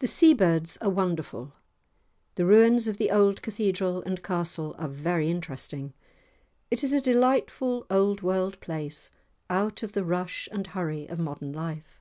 The seabirds are wonderful. The ruins of the old Cathedral and castle are very interesting, it is a delightful old world place, out of the rush and hurry of modern life.